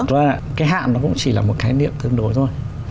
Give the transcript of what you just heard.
vâng ạ cái hạn nó cũng chỉ là một cái niệm thương đối thôi